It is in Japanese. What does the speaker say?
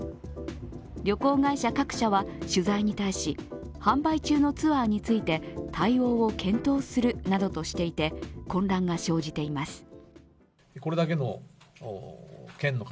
旅行会社各社は取材に対し販売中のツアーについて対応を検討するなどとしていて混乱が生じています。